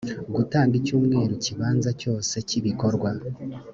gutanga icyumweru kibanza cyose cy’ibikorwa